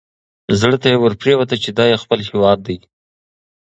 زړه ته یې ورپرېوته چې دا یې خپل هیواد دی.